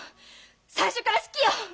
最初っから好きよ！